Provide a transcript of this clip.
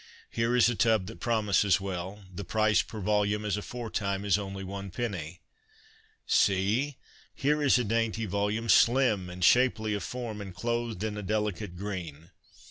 Here is a tub that promises well ; the price per volume, as aforetime, is only one penny. See ! Here is a dainty volume, slim and shapely of form, and clothed in a delicate green.